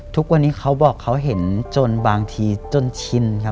ทุกวันนี้เขาบอกเขาเห็นจนบางทีจนชินครับ